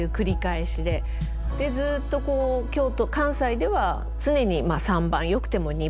でずっとこう京都関西では常に３番よくても２番。